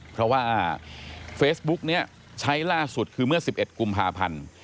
เพราะว่าเฟซบุ๊กนี้ใช้ล่าสุดคือเมื่อ๑๑กุมภาพันธ์